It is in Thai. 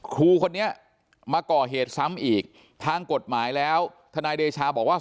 ครูคนนี้มาก่อเหตุซ้ำอีกทางกฎหมายแล้วทนายเดชาบอกว่า